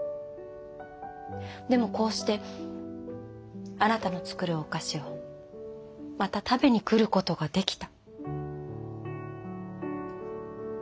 でもこうしてあなたの作るお菓子をまた食べに来ることができた。